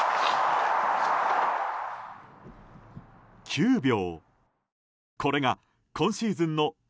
９秒。